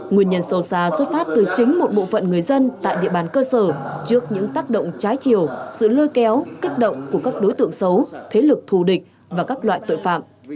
nguyên nhân sâu xa xuất phát từ chính một bộ phận người dân tại địa bàn cơ sở trước những tác động trái chiều sự lôi kéo kích động của các đối tượng xấu thế lực thù địch và các loại tội phạm